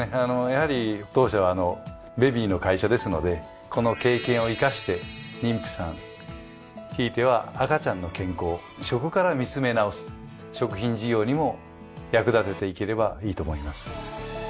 やはり当社はベビーの会社ですのでこの経験を生かして妊婦さんひいては赤ちゃんの健康を食から見詰め直す食品事業にも役立てていければいいと思います。